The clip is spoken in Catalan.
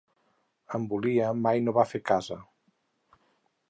En Volia mai no va fer casa.